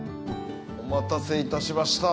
お待たせ致しました。